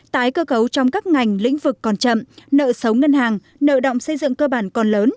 tái cơ cấu trong các ngành lĩnh vực còn chậm nợ xấu ngân hàng nợ động xây dựng cơ bản còn lớn